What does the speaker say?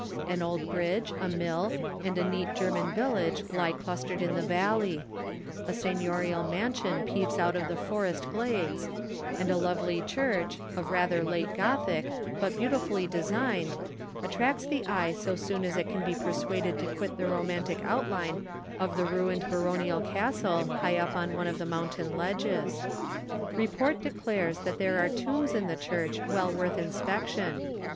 An old bridge, a mill, and a neat German village lie clustered in the valley; a seignorial mansion peeps out of the forest glades; and a lovely church, of rather late Gothic, but beautifully designed, attracts the eye so soon as it can be persuaded to quit the romantic outline of the ruined baronial castle high up on one of the mountain ledges. Report declares that there are tombs in the church well worth inspection.